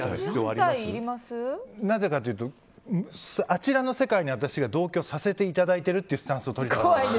なぜかというとあちらの世界に私が同居させていただいているというスタンスをとりたいんです。